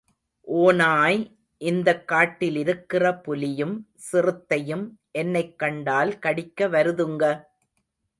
ஒநாய் இந்தக் காட்டிலிருக்கிற புலியும் சிறுத்தையும் என்னைக் கண்டால் கடிக்க வருதுங்க.